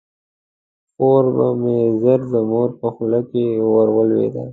خور به مې ژر د مور په خوله کې ور ولویده.